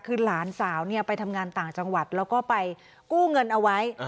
คือหลานสาวไปทำงานต่างจังหวัดแล้วก็ไปกู้เงินเอาไว้